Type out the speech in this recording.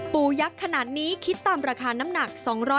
ยักษ์ขนาดนี้คิดตามราคาน้ำหนัก๒๐๐